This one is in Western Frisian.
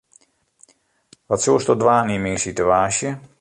Wat soesto dwaan yn myn situaasje?